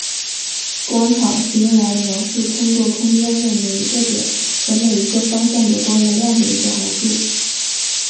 光场是用来描述通过空间中每一个点和每一个方向的光的量的一个函数。